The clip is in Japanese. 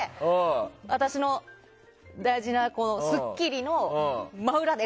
私の大事な「スッキリ」の真裏で。